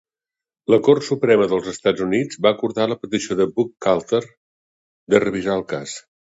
La Cort Suprema dels Estats Units va acordar la petició de Buchalter de revisar el cas.